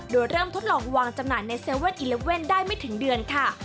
โดยเริ่มทดลองวางจำหน่ายใน๗๑๑ได้ไม่ถึงเดือนค่ะ